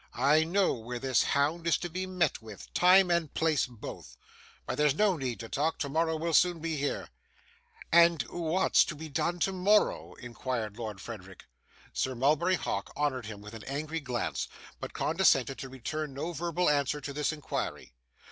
I know where this hound is to be met with; time and place both. But there's no need to talk; tomorrow will soon be here.' 'And wha at's to be done tomorrow?' inquired Lord Frederick. Sir Mulberry Hawk honoured him with an angry glance, but condescended to return no verbal answer to this inquiry.